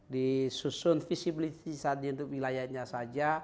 disusun visibilitasnya untuk wilayahnya saja